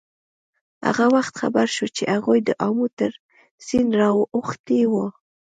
هغه وخت خبر شو چې هغوی د آمو تر سیند را اوښتي وو.